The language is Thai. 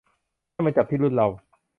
ให้มันจับที่รุ่นเรา